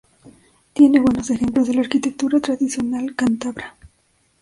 Tiene buenos ejemplos de la arquitectura tradicional cántabra.